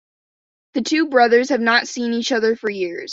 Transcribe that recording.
The two brothers have not seen each other for years.